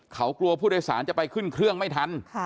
เขากลัวผู้โดยสารจะไปขึ้นเครื่องไม่ทัน